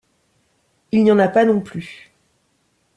Il n’y en a pas non plus.